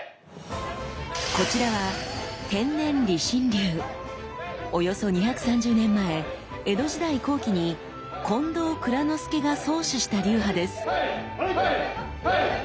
こちらはおよそ２３０年前江戸時代後期に近藤内蔵之助が創始した流派です。